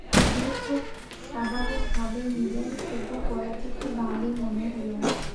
তিনি খুব স্বাভাবিক ভাবেই নিলেন, শুধু গলাটা একটু ভারী মনে হলো।